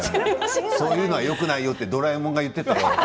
そういうのよくないとドラえもんが言ってたよ